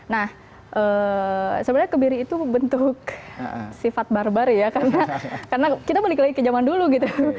nah sebenarnya kebiri itu bentuk sifat barbar ya karena kita balik lagi ke zaman dulu gitu